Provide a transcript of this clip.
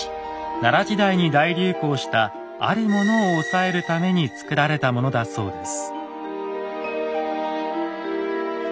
奈良時代に大流行したあるものを抑えるために作られたものだそうです。